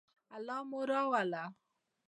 الله مو راوله